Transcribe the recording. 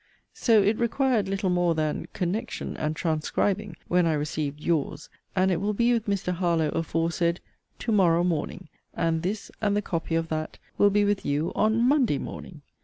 So it required little more than 'connection' and 'transcribing,' when I received 'your's'; and it will be with Mr. Harlowe aforesaid, 'to morrow morning'; and this, and the copy of that, will be with you on 'Monday morning.'